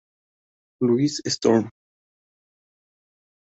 Louis Storm.